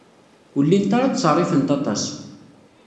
Ur llint ara ttṣerrifent aṭas.